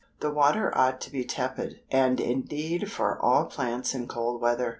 The water ought to be tepid, and indeed for all plants in cold weather.